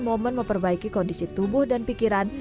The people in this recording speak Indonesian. momen memperbaiki kondisi tubuh dan pikiran